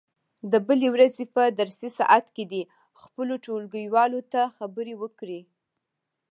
د بلې ورځې په درسي ساعت کې دې خپلو ټولګیوالو ته خبرې وکړي.